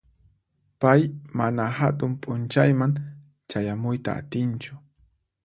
Pay mana hatun p'unchayman chayamuyta atinchu.